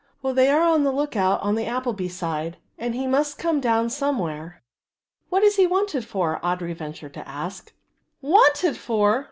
Well, they are on the look out on the Appleby side and he must come down somewhere." "What is he wanted for?" Audry ventured to ask. "Wanted for?"